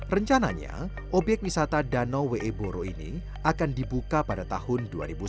rencananya obyek wisata danau weeboro ini akan dibuka pada tahun dua ribu sembilan belas